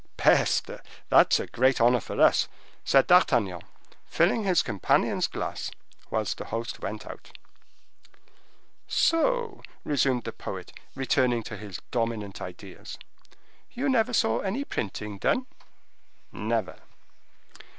"Peste!—that is a great honor for us," said D'Artagnan, filling his companion's glass, whilst the host went out. "So," resumed the poet, returning to his dominant ideas, "you never saw any printing done?" "Never."